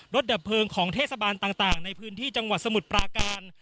ดับเพลิงของเทศบาลต่างในพื้นที่จังหวัดสมุทรปราการ